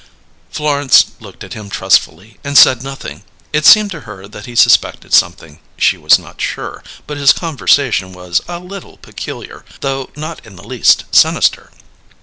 Florence looked at him trustfully and said nothing. It seemed to her that he suspected something; she was not sure; but his conversation was a little peculiar, though not in the least sinister.